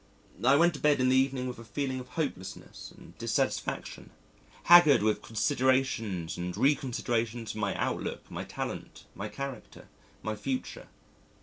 I went to bed in the evening with a feeling of hopelessness and dissatisfaction haggard with considerations and reconsiderations of my outlook, my talent, my character, my future.